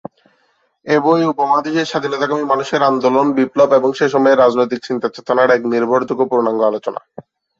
এ বই উপমহাদেশের স্বাধীনতাকামী মানুষের আন্দোলন বিপ্লব এবং সেসময়ের রাজনৈতিক চিন্তা-চেতনার এক নির্ভরযোগ্য পূর্ণাঙ্গ আলোচনা।